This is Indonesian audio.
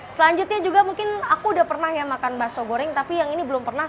selanjutnya juga mungkin aku udah pernah ya makan bakso goreng tapi yang ini belum pernah